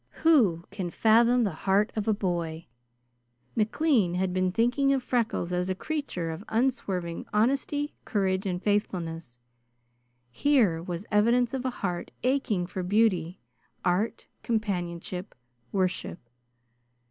Who can fathom the heart of a boy? McLean had been thinking of Freckles as a creature of unswerving honesty, courage, and faithfulness. Here was evidence of a heart aching for beauty, art, companionship, worship.